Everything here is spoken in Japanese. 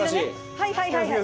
はいはいはいはい。